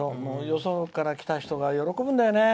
よそから来た人が喜ぶんだよね。